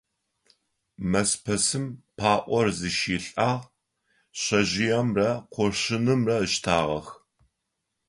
Мэзпэсым паӀор зыщилъагъ, шъэжъыемрэ къошынымрэ ыштагъэх.